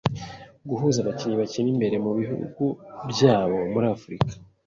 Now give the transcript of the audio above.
gihuza abakinnyi bakina imbere mu bihugu byabo muri Afurika.